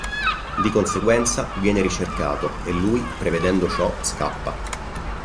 Di conseguenza viene ricercato e lui, prevedendo ciò, scappa.